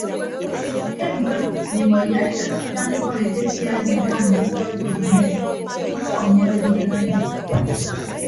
Ke mfịn mmimọ iyaikịd daña ikọd etefia ebikan ke utọ ekọñ enyem ikọ ọmmọ edieehe mi.